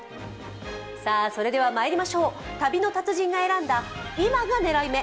それではまいりましょう、旅の達人が選んだ今が狙い目！